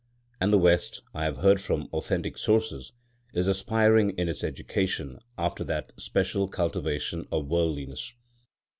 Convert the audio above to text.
And the West, I have heard from authentic sources, is aspiring in its education after that special cultivation of worldliness.